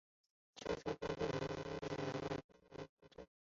拆除后的空地辟为县民广场及屏东转运站。